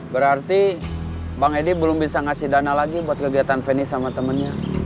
berarti bang edi belum bisa ngasih dana lagi buat kegiatan feni sama temennya